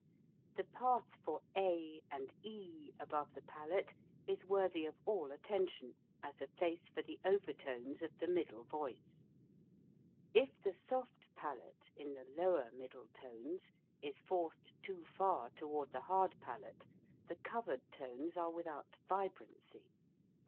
The path for a and e above the palate is worthy of all attention as a place for the over tones of the middle voice. If the soft palate, in the lower middle tones, is forced too far toward the hard palate, the covered tones are without vibrancy.